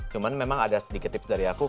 cuman memang ada sedikit tips dari aku